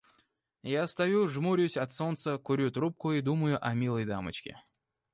Я стою, жмурюсь от солнца, курю трубку и думаю о милой дамочке.